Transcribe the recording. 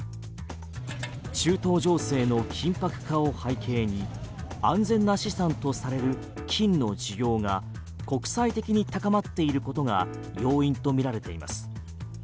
中東情勢の緊迫化を背景に安全な資産とされる金の需要が国際的に高まっていることが要因とみられています。